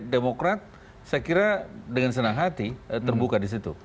demokrat saya kira dengan senang hati terbuka di situ